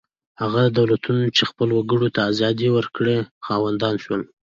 هغو دولتونو چې خپلو وګړو ته ازادي ورکړه خاوندان شول.